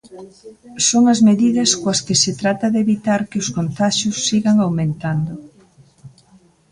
Son as medidas coas que se trata de evitar que os contaxios sigan aumentando.